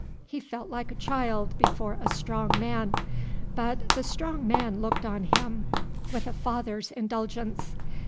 He felt like a child before a strong man; but the strong man looked on him with a father's indulgence.